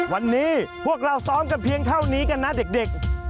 วันนี้พวกเราซ้อมกันเพียงเท่านี้กันนะเด็ก